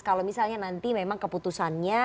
kalau misalnya nanti memang keputusannya